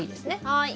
はい。